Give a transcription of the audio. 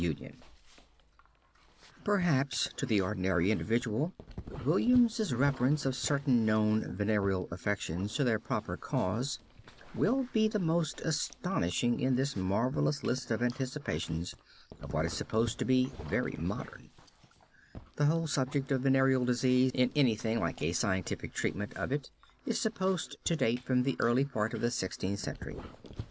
{opp87} SCREEN (HEREFORD) DOORWAY OF SACRISTY (BOURGES) Perhaps to the ordinary individual William's reference of certain known venereal affections to their proper cause, will be the most astonishing in this marvelous list of anticipations of what is supposed to be very modern. The whole subject of venereal disease in anything like a scientific treatment of it is supposed to date from the early part of the Sixteenth Century.